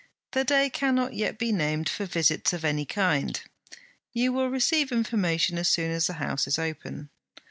The day cannot yet be named for visits of any kind. You will receive information as soon as the house is open.